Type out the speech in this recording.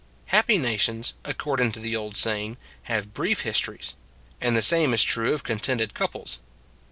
Happy nations, according to the old say ing, have brief histories; and the same is true of contented couples.